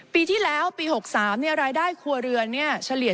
ปีที่แล้วปี๖๓รายได้ครัวเรือนเฉลี่ย